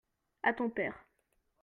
à ton père.